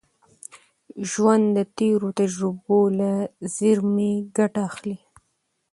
ژوند د تېرو تجربو له زېرمي ګټه اخلي.